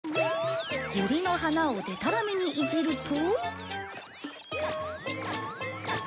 ユリの花をでたらめにいじると。